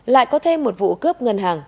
lại có thêm một vụ cướp ngân hàng